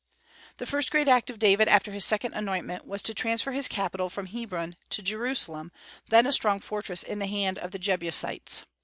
The first great act of David after his second anointment was to transfer his capital from Hebron to Jerusalem, then a strong fortress in the hands of the Jebusites.